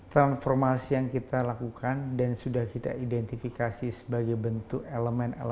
transformasi yang kita lakukan dan sudah kita identifikasi sebagai bentuk elemen elemen yang enam tadi